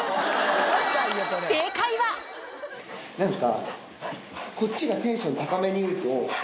何か。